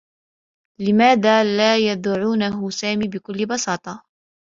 لماذا لا يدعونه "سامي" بكلّ بساطة؟